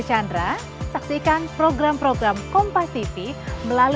ya terima kasih ya